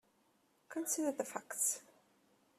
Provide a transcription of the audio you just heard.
Consider the facts.